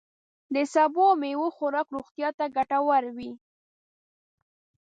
د سبوو او میوو خوراک روغتیا ته ګتور وي.